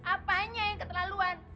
apanya yang keterlaluan